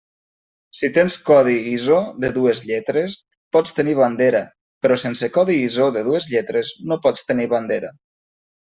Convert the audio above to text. Si tens codi ISO de dues lletres, pots tenir bandera, però sense codi ISO de dues lletres no pots tenir bandera.